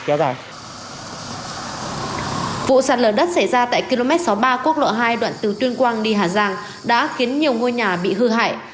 ba quốc lộ hai đoạn từ tuyên quang đi hà giang đã khiến nhiều ngôi nhà bị hư hại